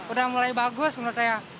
udah mulai bagus menurut saya